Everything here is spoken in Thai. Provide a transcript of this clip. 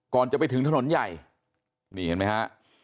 ก่อนจะไปถึงถนนใหญ่นี่เห็นมั้ยฮะ